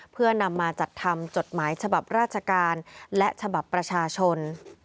เพื่อนำมาจัดทำจดหมายฉบับราชการและฉบับประชาชน